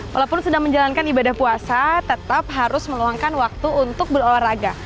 walaupun sedang menjalankan ibadah puasa tetap harus meluangkan waktu untuk berolahraga